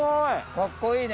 かっこいいね。